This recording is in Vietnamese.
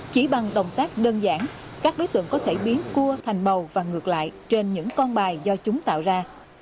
chỉ bằng động tác đơn giản các đối tượng có thể biến cua thành màu và ngược lại trên những con bài do chúng tạo ra